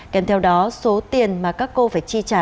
kèm theo đó số tiền mà các cô phải chi trả